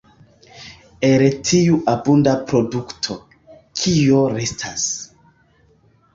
El tiu abunda produkto, kio restas?